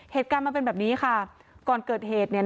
เหตุการณ์มันเป็นแบบนี้ค่ะก่อนเกิดเหตุเนี่ย